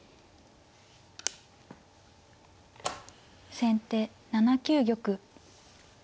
先手７九玉。